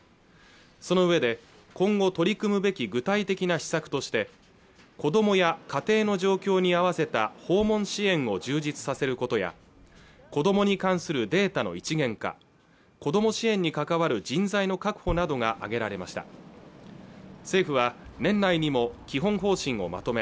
その上で今後取り組むべき具体的な施策として子どもや家庭の状況に合わせた訪問支援を充実させる事やこどもに関するデータの一元化こども支援に関わる人材の確保などが挙げられました政府は年内にも基本方針をまとめ